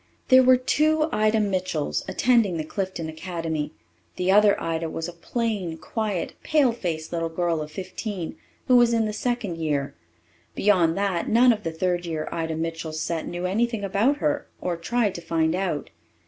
There were two Ida Mitchells attending the Clifton Academy. The other Ida was a plain, quiet, pale faced little girl of fifteen who was in the second year. Beyond that, none of the third year Ida Mitchell's set knew anything about her, or tried to find out.